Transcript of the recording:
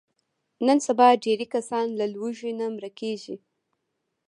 نن سبا ډېری کسان له لوږې نه مړه کېږي.